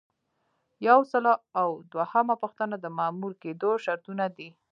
یو سل او دوهمه پوښتنه د مامور کیدو شرطونه دي.